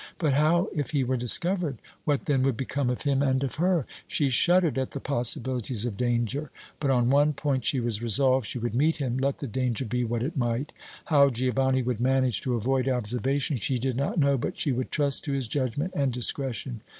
But how if he were discovered? What then would become of him and of her? She shuddered at the possibilities of danger. But on one point she was resolved she would meet him let the danger be what it might. How Giovanni would manage to avoid observation she did not know, but she would trust to his judgment and discretion.